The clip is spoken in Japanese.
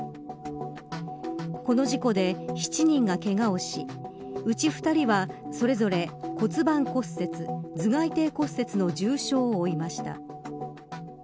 この事故で７人がけがをしうち２人は、それぞれ骨盤骨折頭蓋底骨折の重傷を負いました。